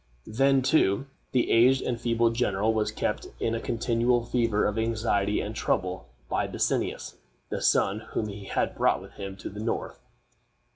Then, too, the aged and feeble general was kept in a continual fever of anxiety and trouble by Bassianus, the son whom he had brought with him to the north.